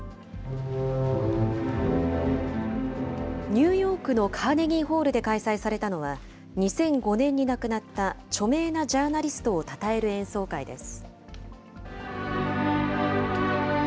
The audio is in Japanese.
ニューヨークのカーネギーホールで開催されたのは、２００５年に亡くなった、著名なジャーナリストをたたえる演奏会です。